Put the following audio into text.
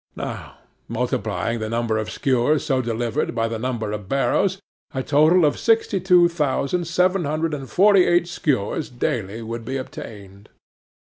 Now, multiplying the number of skewers so delivered by the number of barrows, a total of sixty two thousand seven hundred and forty eight skewers daily would be obtained.